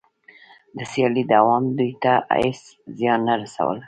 د سیالۍ دوام دوی ته هېڅ زیان نه رسولو